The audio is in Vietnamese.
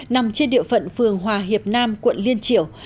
nằm trên địa phận phường hòa hiệp nam quận liên triểu